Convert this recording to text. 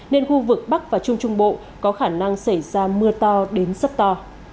nên khu vực bắc và trung trung bộ có khả năng xảy ra mưa to đến rất to